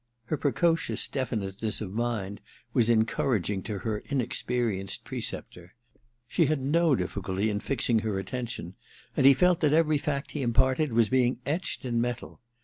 Her precocious definiteness of mind was encouraging to her inexperienced preceptor. She had no difficulty in fixing her attention, and he felt that every fact he imparted was being etched in metal.